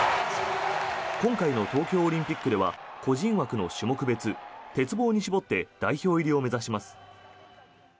今回の東京オリンピックでは個人枠の種目別、鉄棒に絞って代表入りを目指します。